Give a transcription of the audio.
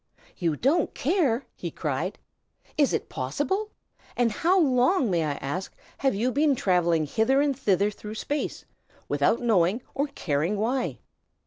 "You don't care!" he cried. "Is it possible? And how long, may I ask, have you been travelling hither and thither through space, without knowing or caring why?"